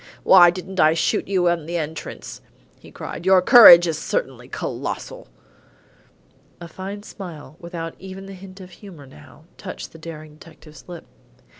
why didn't I shoot you on entrance!" he cried. "Your courage is certainly colossal." A fine smile, without even the hint of humour now, touched the daring detective's lip.